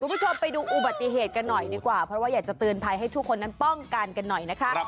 คุณผู้ชมไปดูอุบัติเหตุกันหน่อยดีกว่าเพราะว่าอยากจะเตือนภัยให้ทุกคนนั้นป้องกันกันหน่อยนะคะ